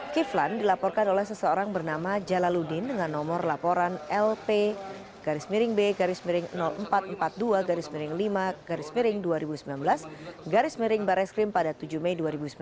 kiflan dilaporkan oleh seseorang bernama jalaluddin dengan nomor laporan lp b empat ratus empat puluh dua lima dua ribu sembilan belas bari skrim pada tujuh mei dua ribu sembilan belas